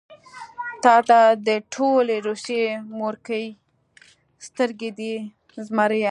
تاته د ټولې روسيې مورکۍ سترګې دي زمريه.